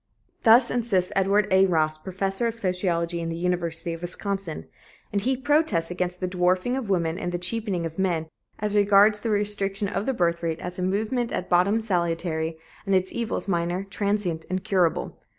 Thus insists Edward A. Ross, Professor of Sociology in the University of Wisconsin; and he protests against the 'dwarfing of women and the cheapening of men' as regards the restriction of the birth rate as a 'movement at bottom salutary, and its evils minor, transient and curable.'